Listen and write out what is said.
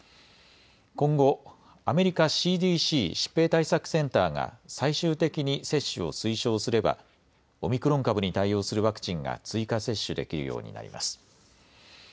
今後、アメリカＣＤＣ・疾病対策センターが最終的に接種を推奨すればオミクロン株に対応するワクチンが追加接種できるようになります。